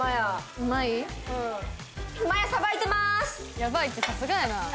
ヤバいってさすがやな。